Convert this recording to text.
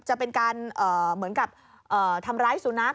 จะเป็นการเหมือนกับทำร้ายสุนัข